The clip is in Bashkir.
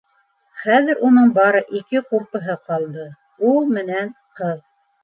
Хәҙер уның бары ике ҡурпыһы ҡалды: ул менән ҡыҙ.